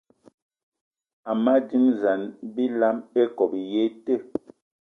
Ama dínzan bilam íkob í yé í te